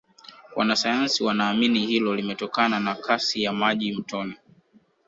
wanasayansi wanaamini hilo limetokana na Kasi ya maji mtoni